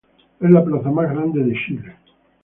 Es la plaza más grande de Chile.